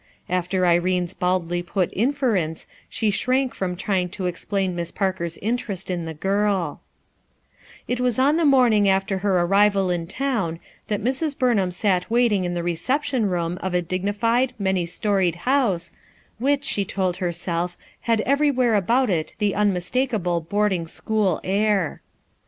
After Irene's baldly put inference she shrank from trying to explain Miss Parker's interest in the girl It was on the morning after her arrival in town that Mrs. Burnham sat waiting in the reception room of a dignified, many storied house, which, she told herself, had everywhere about it the unmistakable boarding school air.